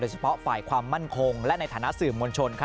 เฉพาะฝ่ายความมั่นคงและในฐานะสื่อมวลชน